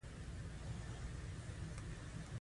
دا د موټر جوړونې د کارخانې له پانګوال کم دی